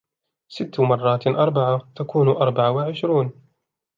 ست مرات أربعة تكون أربع وعشرون.